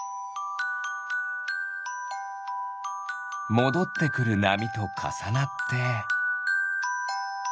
もどってくるなみとかさなって。